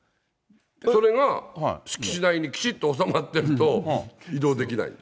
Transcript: それが、敷地内にきちっと収まってると移動できないんです。